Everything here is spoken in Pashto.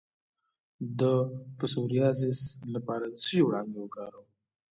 د پسوریازیس لپاره د څه شي وړانګې وکاروم؟